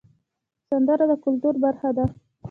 سندره د کلتور برخه ده